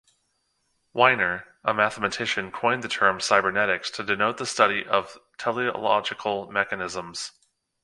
Wiener, a mathematician, coined the term 'cybernetics' to denote the study of teleological mechanisms.